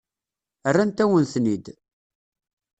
Rrant-awen-ten-id.